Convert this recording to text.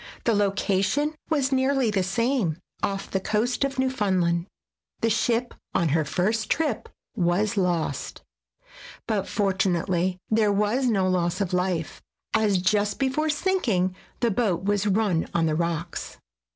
The location was nearly the same, off the coast of Newfoundland. The ship, on her first trip, was lost, but fortunately there was no loss of life as just before sinking the boat was run on the rocks.